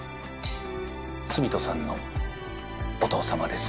澄人さんのお父様です。